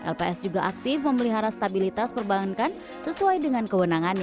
lps juga aktif memelihara stabilitas perbankan sesuai dengan kewenangannya